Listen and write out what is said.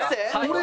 俺